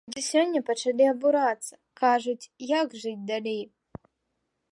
Людзі сёння пачалі абурацца, кажуць, як жыць далей?